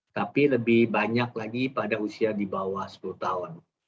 tapi lebih banyak lagi pada usia di bawah sepuluh tahun